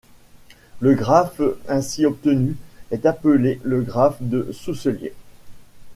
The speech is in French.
Le graphe ainsi obtenu est appelé le graphe de Sousselier.